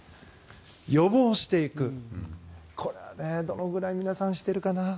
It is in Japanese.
予防していくこれはどのくらい皆さんしてるかな？